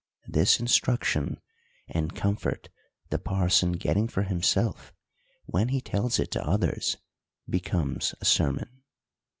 — This instruction and comfort the pai son getting for himself, when he tells it to others, becomes a sermon.